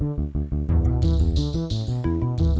kenapa tidak bisa